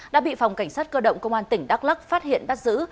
đã bị phòng cảnh sát cơ động công an tỉnh đắk lắc phát hiện bắt giữ